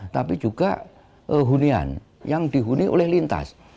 tapi juga hunian yang dihuni oleh lintas